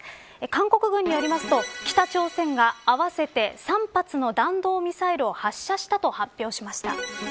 韓国軍によりますと、北朝鮮が合わせて３発の弾道ミサイルを発射したと発表しました。